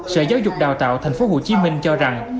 sở giáo dục đào tạo tp hcm cho rằng